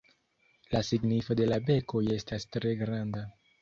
La signifo de la bekoj estas tre granda.